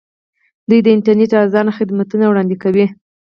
دوی د انټرنیټ ارزانه خدمتونه وړاندې کوي.